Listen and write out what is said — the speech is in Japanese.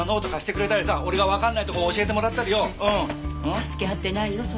助け合ってないよそれ。